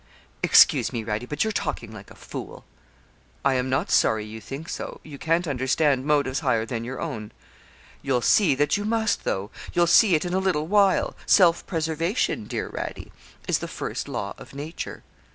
'Excuse me, Radie, but you're talking like a fool.' 'I am not sorry you think so you can't understand motives higher than your own.' 'You'll see that you must, though. You'll see it in a little while. Self preservation, dear Radie, is the first law of nature.'